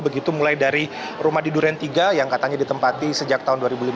begitu mulai dari rumah di duren tiga yang katanya ditempati sejak tahun dua ribu lima belas